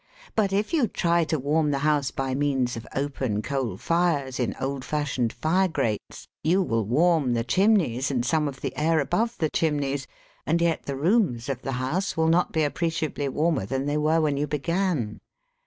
But if you try to warm the house by means of open coal fires in old fashioned fire grates, you will warm the chimneys and some of the air above the chimneys — and jet the rooms of the house will not he appreciably warmer than they were when you began.